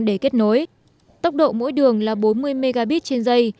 để kết nối tốc độ mỗi đường là bốn mươi mb trên dây